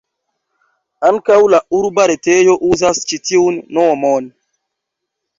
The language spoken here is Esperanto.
Ankaŭ la urba retejo uzas ĉi tiun nomon.